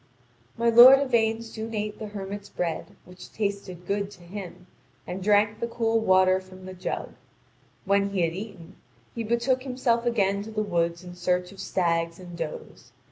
My lord Yvain soon ate the hermit's bread, which tasted good to him, and drank the cool water from the jar. When he had eaten, he betook himself again to the woods in search of stags and does.